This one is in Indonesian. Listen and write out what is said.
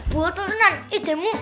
buat ternan idemu